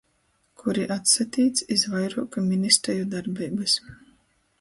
Kuri atsatīc iz vairuoku ministreju darbeibys,